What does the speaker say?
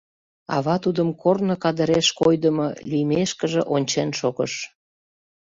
Ава тудым корно кадыреш койдымо лиймешкыже ончен шогыш.